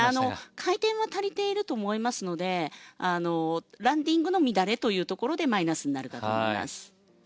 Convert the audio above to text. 回転は足りていると思いますのでランディングの乱れでマイナスになると思います。